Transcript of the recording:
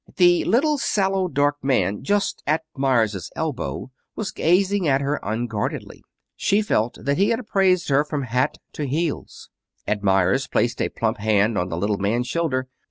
The little sallow, dark man just at Meyers' elbow was gazing at her unguardedly. She felt that he had appraised her from hat to heels. Ed Meyers placed a plump hand on the little man's shoulder.